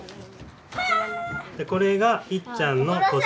これがいっちゃんの年。